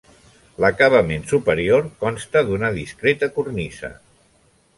L'acabament superior consta d'una discreta cornisa.